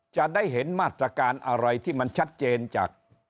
จะได้เห็นมาตรการอะไรที่มันชัดเจนจาก